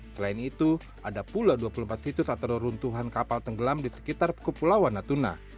selain itu ada pula dua puluh empat situs atau runtuhan kapal tenggelam di sekitar kepulauan natuna